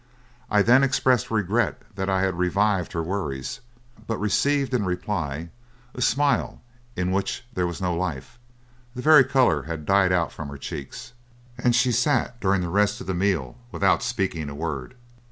I then expressed regret that I had revived her worries, but received in reply a smile in which there was no life: the very colour had died out from her cheeks. And she sat during the rest of the meal without speaking a word.